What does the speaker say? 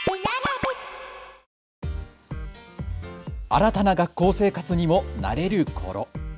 新たな学校生活にも慣れるころ。